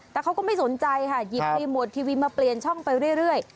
แต่เขาก็ไม่สนใจค่ะหยิบรีโมททีวีมาเปลี่ยนช่องไปเรื่อย